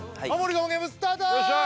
我慢ゲームスタート！